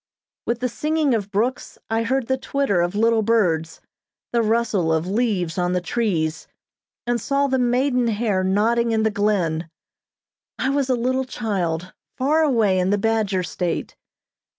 With the singing of brooks, I heard the twitter of little birds, the rustle of leaves on the trees, and saw the maiden hair nodding in the glen. I was a little child far away in the Badger State.